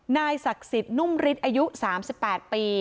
นายศักดิ์สิทธิ์นุ่มฤทธิ์อายุ๓๘ปี